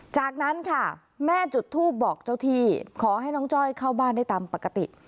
จากนั้นค่ะแม่จุดทูปบอกเจ้าที่ขอให้น้องจ้อยเข้าบ้านได้ตามปกติ